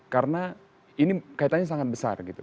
karena ini kaitannya sangat besar gitu